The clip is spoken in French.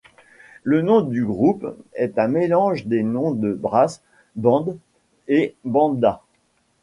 Le nom du groupe est un mélange des noms de Brass band et Banda.